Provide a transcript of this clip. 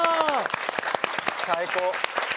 最高。